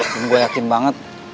dan gue yakin banget